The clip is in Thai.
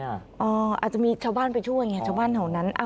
อาจจะมีชาวบ้านไปช่วยไงชาวบ้านแถวนั้น